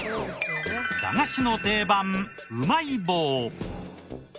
駄菓子の定番うまい棒。